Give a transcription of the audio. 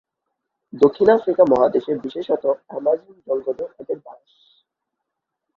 দক্ষিণ আমেরিকা মহাদেশে বিশেষত আমাজন জঙ্গলে এদের বাস।